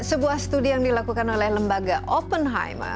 sebuah studi yang dilakukan oleh lembaga oppenheimer